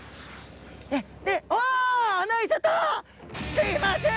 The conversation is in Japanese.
すいません！